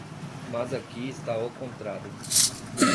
Mas aqui está o contrário.